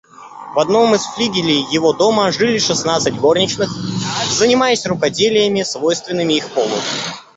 В одном из флигелей его дома жили шестнадцать горничных, занимаясь рукоделиями, свойственными их полу.